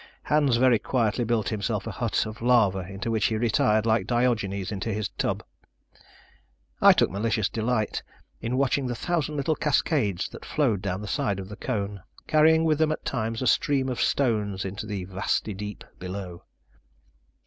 Hans very quietly built himself a hut of lava into which he retired like Diogenes into his tub. I took a malicious delight in watching the thousand little cascades that flowed down the side of the cone, carrying with them at times a stream of stones into the "vasty deep" below.